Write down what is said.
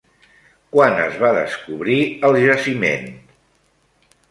Quan es va descobrir el jaciment?